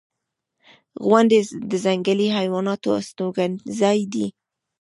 • غونډۍ د ځنګلي حیواناتو استوګنځای دی.